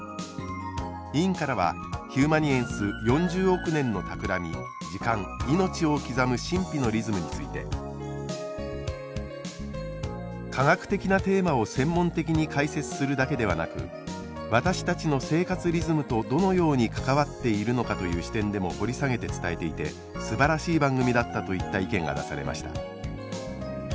委員からはヒューマニエンス４０億年のたくらみ「“時間”命を刻む神秘のリズム」について「科学的なテーマを専門的に解説するだけではなく私たちの生活リズムとどのように関わっているのかという視点でも掘り下げて伝えていてすばらしい番組だった」といった意見が出されました。